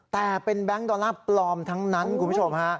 แต่เป็นแบงค์ดอลลาร์ปลอมทั้งนั้นคุณผู้ชมฮะ